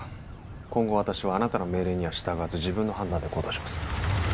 今後私はあなたの命令には従わず自分の判断で行動します